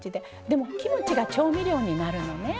でもキムチが調味料になるのね。